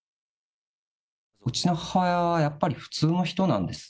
うちの母親はやっぱり普通の人なんです。